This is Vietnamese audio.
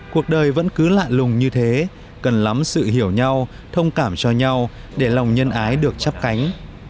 cuộc đời vẫn cứ lạ lùng như thế cần lắm sự hiểu nhau thông cảm cho nhau để lòng nhân ái được chấp cánh